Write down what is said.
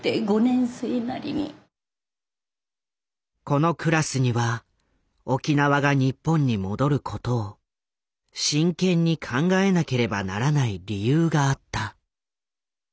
このクラスには沖縄が日本に戻ることを真剣に考えなければならない理由があった。